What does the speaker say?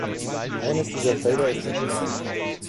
Eines dieser Felder ist mit "Start" markiert.